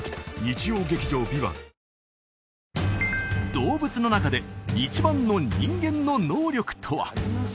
動物の中で一番の人間の能力とは？